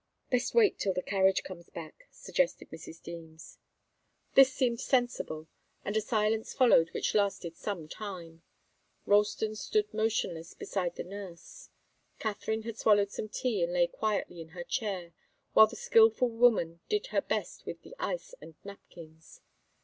"Best wait till the carriage comes back," suggested Mrs. Deems. This seemed sensible, and a silence followed which lasted some time. Ralston stood motionless beside the nurse. Katharine had swallowed some tea and lay quietly in her chair, while the skilful woman did her best with the ice and napkins.